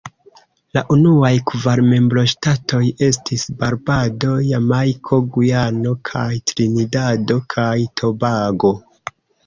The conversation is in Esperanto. La unuaj kvar membroŝtatoj estis Barbado, Jamajko, Gujano kaj Trinidado kaj Tobago.